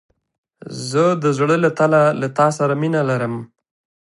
زه د زړه له تله له تا سره مينه لرم.